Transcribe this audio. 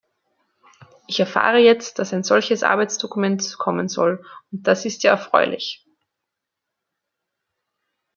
Ich erfahre jetzt, dass ein solches Arbeitsdokument kommen soll, und das ist ja erfreulich.